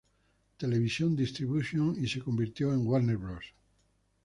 Television Distribution y se convirtió en Warner Bros.